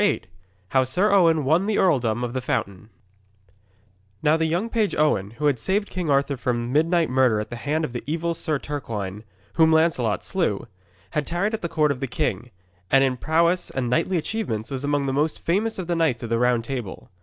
VIII HOW SIR OWEN WON THE EARLDOM OF THE FOUNTAIN Now the young page Owen, who had saved King Arthur from midnight murder at the hand of the evil Sir Turquine, whom Lancelot slew, had tarried at the court of the king, and in prowess and knightly achievements was among the most famous of the knights of the Round Table.